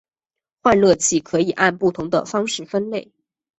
换热器可以按不同的方式分类。